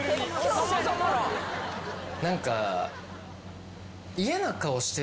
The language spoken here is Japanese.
何か。